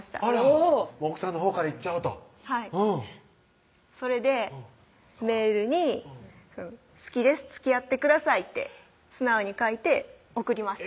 もう奥さんのほうから言っちゃおうとそれでメールに「好きですつきあってください」って素直に書いて送りました